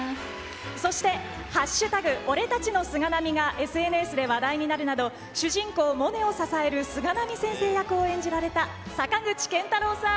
そして「＃俺たちの菅波」がＳＮＳで話題になるなど主人公モネを支える菅波先生役を演じられた坂口健太郎さん。